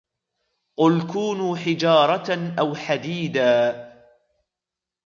قُلْ كُونُوا حِجَارَةً أَوْ حَدِيدًا